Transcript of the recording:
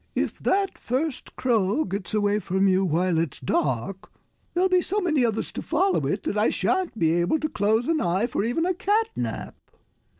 "If that first crow gets away from you while it's dark, there'll be so many others to follow it that I shan't be able to close an eye for even a cat nap."